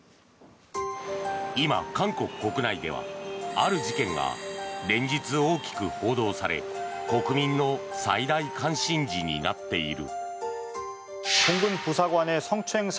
今、韓国国内ではある事件が連日大きく報道され国民の最大関心事になっている。